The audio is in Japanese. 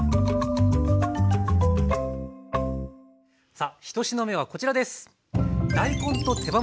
さあ１品目はこちらです。